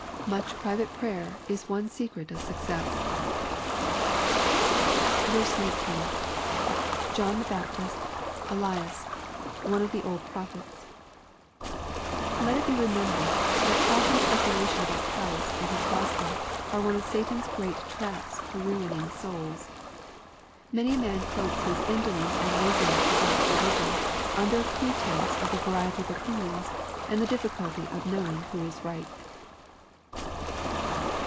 Much private prayer is one secret of success. 19. — [John the Baptist ... UUcu ... one of the old prophda^ Let it be remembered, that talk and speculation about Christ and His Gospel, are one of Satan's great traps for ruining souls. Many a man cloaks his indolence and laziness about religion, under a pretence of the variety of opinions, and the difficulty of knowing who is right.